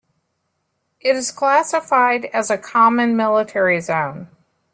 It is classified as a Common Military Zone.